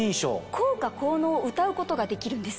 効果効能をうたうことができるんです。